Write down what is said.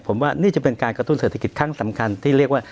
ผมว่านี่จะเป็นการกระตุ้นเศรษฐกิจครั้งสำคัญที่เรียกว่า